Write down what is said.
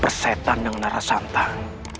persetan dengan narasantan